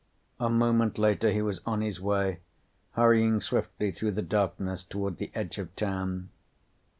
A moment later he was on his way, hurrying swiftly through the darkness toward the edge of town.